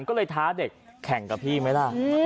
ก็เลยท้าเด็กแข่งกับพี่ไหมล่ะ